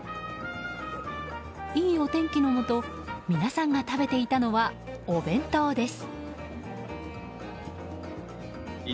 いいお天気のもと皆さんが食べていたのはお弁当です。